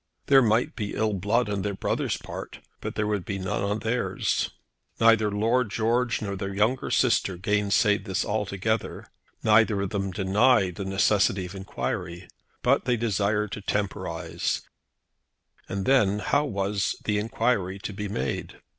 There might be ill blood on their brother's part, but there would be none on theirs. Neither Lord George nor their younger sister gainsayed this altogether. Neither of them denied the necessity of enquiry. But they desired to temporise; and then how was the enquiry to be made?